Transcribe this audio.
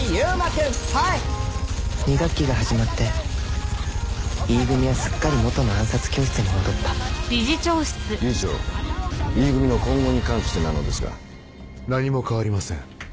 君はい２学期が始まってＥ組はすっかり元の暗殺教室に戻った理事長Ｅ組の今後に関してなのですが何も変わりません